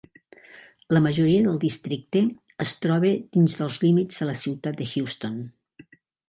La majoria del districte es troba dins dels límits de la ciutat de Houston.